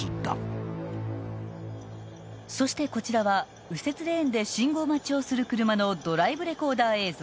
［そしてこちらは右折レーンで信号待ちをする車のドライブレコーダー映像］